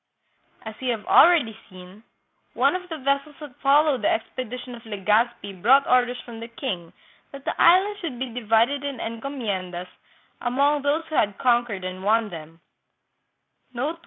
As we have already seen, one of the vessels that followed the expedition of Legazpi brought orders from the king that the Islands should be divided in encomiendas among those who had conquered and won them.